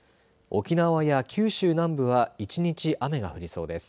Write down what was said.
沖縄や九州南部は一日雨が降りそうです。